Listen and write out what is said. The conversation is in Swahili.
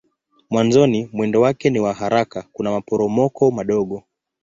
Mwanzoni mwendo wake ni wa haraka kuna maporomoko madogo.